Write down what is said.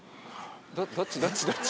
どっちどっちどっち？